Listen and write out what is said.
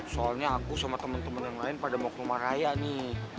soalnya aku sama teman teman yang lain pada mau ke rumah raya nih